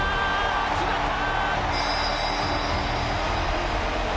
決まった！